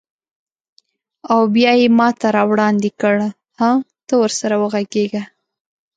او بیا یې ماته راوړاندې کړ: هه، ته ورسره وغږیږه.